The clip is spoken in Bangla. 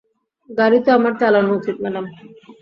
গাড়ি তো আমার চালানো উচিত, ম্যাডাম।